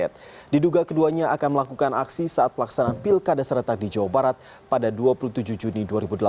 diduga keduanya akan melakukan aksi saat pelaksanaan pilkada seretak di jawa barat pada dua puluh tujuh juni dua ribu delapan belas